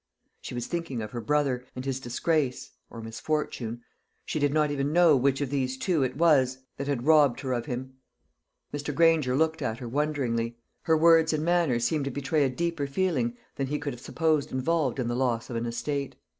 She was thinking of her brother, and his disgrace or misfortune; she did not even know which of these two it was that had robbed her of him. Mr. Granger looked at her wonderingly. Her words and manner seemed to betray a deeper feeling than he could have supposed involved in the loss of an estate.